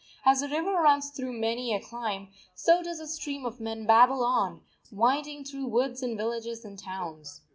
As the river runs through many a clime, so does the stream of men babble on, winding through woods and villages and towns.